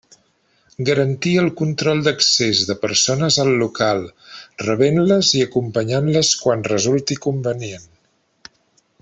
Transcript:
Garantir el control d'accés de persones al local, rebent-les i acompanyant-les quan resulti convenient.